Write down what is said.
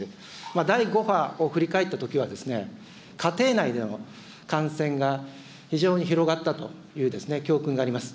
第５波を振り返ったときは、家庭内での感染が非常に広がったという教訓があります。